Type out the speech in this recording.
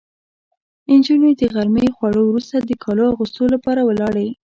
نجونې د غرمې خوړو وروسته د کالو اغوستو لپاره ولاړې.